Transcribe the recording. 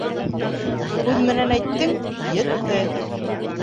Һүҙ менән әйттең, етте!